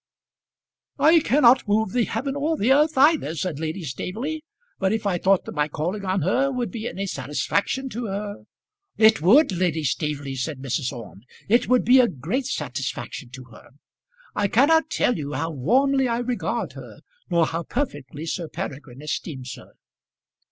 "I cannot move the heaven or the earth either," said Lady Staveley; "but if I thought that my calling on her would be any satisfaction to her " "It would, Lady Staveley," said Mrs. Orme. "It would be a great satisfaction to her. I cannot tell you how warmly I regard her, nor how perfectly Sir Peregrine esteems her."